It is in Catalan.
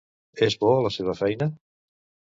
És bo a la seva feina?